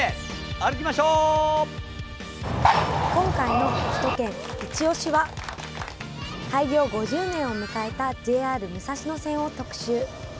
今回の首都圏いちオシ！は開業５０年を迎えたＪＲ武蔵野線を特集。